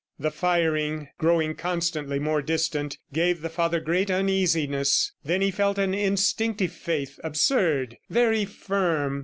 The firing, growing constantly more distant, gave the father great uneasiness. Then he felt an instinctive faith, absurd, very firm.